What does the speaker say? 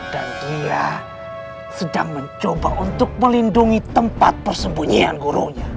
dan dia sedang mencoba untuk melindungi tempat persembunyian gurunya